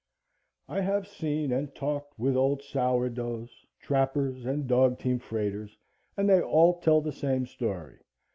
I have seen and talked with old "sourdoughs," trappers and dog team freighters, and they all tell the same story.